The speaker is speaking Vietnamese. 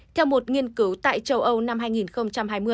theo một nghiên cứu tại châu âu năm hai nghìn hai mươi